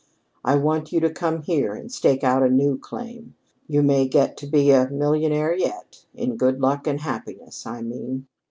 I want you to come here and stake out a new claim. You may get to be a millionaire yet in good luck and happiness, I mean.